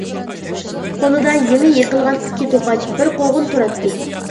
قولىدا يېڭى يېقىلغان ئىككى توقاچ، بىر قوغۇن تۇراتتى.